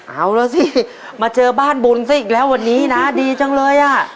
เอาล่ะสิมาเจอบ้านบุญซะอีกแล้ววันนี้นะดีจังเลยอ่ะ